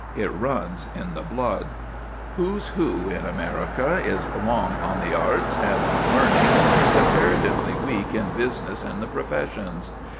It runs in the blood. "Who's Who in America" is long on the arts and on learning and comparatively weak in business and the professions.